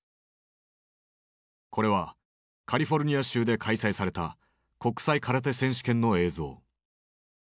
これはカリフォルニア州で開催された国際空手選手権の映像。